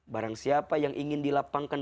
barang siapa yang ingin dilapangkan